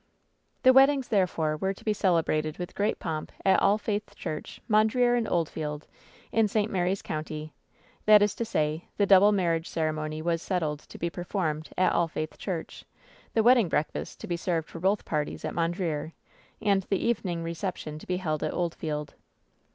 The weddings, therefore, were to be celebrated with great pomp at AH Faith Church, Mondreer and Oldfield, in St. Mary's County — ^that is to say, the double mar riage ceremony was settled to be performed at All Faith Church, the wedding breakfast to be served for both parties at Mondreer, and the evening reception to be held at Oldfield.